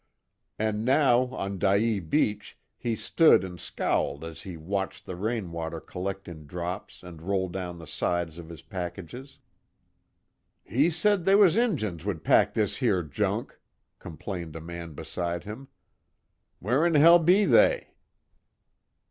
And now on Dyea beach he stood and scowled as he watched the rain water collect in drops and roll down the sides of his packages. "He said they was Injuns would pack this here junk," complained a man beside him, "Where'n hell be they?"